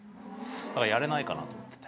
だからやれないかなと思ってて。